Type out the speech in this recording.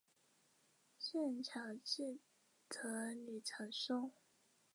圣乔治德吕藏松。